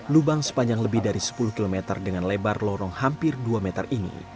lubang sepanjang lebih dari sepuluh km dengan lebar lorong hampir dua meter ini